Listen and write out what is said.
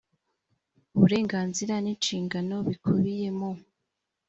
uburenganzira n inshingano bikubiye mu